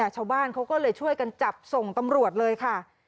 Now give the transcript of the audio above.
ชาวบ้านเขาก็เลยช่วยกันจับส่งตำรวจเลยค่ะ